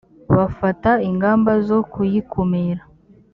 bafata ingamba zo kuyikumira